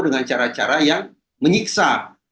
dengan cara cara yang menyiksa